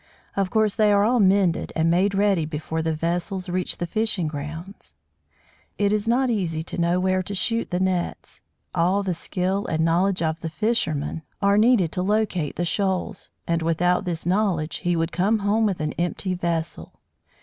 Of course they are all mended and made ready before the vessels reach the fishing grounds. It is not easy to know where to shoot the nets; all the skill and knowledge of the fisherman are needed to locate the shoals, and, without this knowledge, he would come home with an empty vessel.